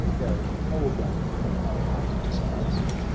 Go, I will grant thee what thy heart desires.'